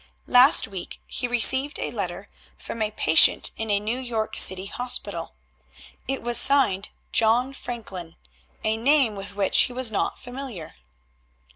Last week he received a letter from a patient in a New York City hospital. It was signed John Franklin, a name with which he was not familiar.